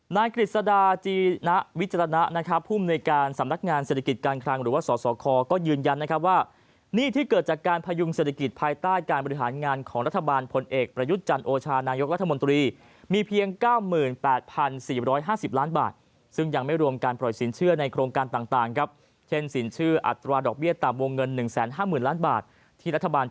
นายกฤษฎาจีนวิจารณานะครับภูมิในการสำนักงานเศรษฐกิจการคลังหรือว่าส่อส่อคอก็ยืนยันนะครับว่านี่ที่เกิดจากการพยุงเศรษฐกิจภายใต้การบริหารงานของรัฐบาลผลเอกประยุทธ์จันทร์โอชานายกรัฐมนตรีมีเพียง๙๘๔๕๐ล้านบาทซึ่งยังไม่รวมการปล่อยสินเชื่อในโครงการต่างครับ